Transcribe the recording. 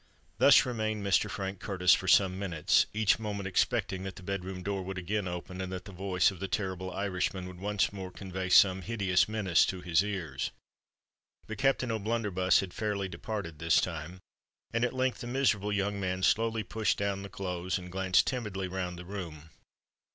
Thus remained Mr. Frank Curtis for some minutes—each moment expecting that the bed room door would again open, and that the voice of the terrible Irishman would once more convey some hideous menace to his ears. But Captain O'Blunderbuss had fairly departed this time; and at length the miserable young man slowly pushed down the clothes, and glanced timidly round the room.